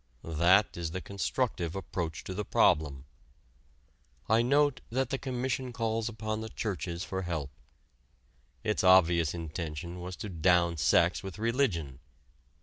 That is the constructive approach to the problem. I note that the Commission calls upon the churches for help. Its obvious intention was to down sex with religion.